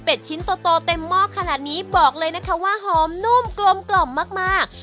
เป็นชิ้นโตเต็มหม้อขนาดนี้บอกเลยนะคะว่าหอมนุ่มกลมกล่อมมาก